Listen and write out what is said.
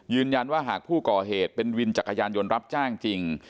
หากผู้ก่อเหตุเป็นวินจักรยานยนต์รับจ้างจริง